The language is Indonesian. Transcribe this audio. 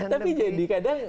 tapi jadi kadang